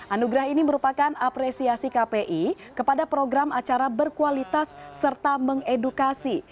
anugerah ini merupakan apresiasi kpi kepada program acara berkualitas serta mengedukasi